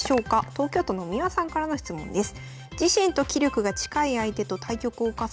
東京都のみわさんからの質問です。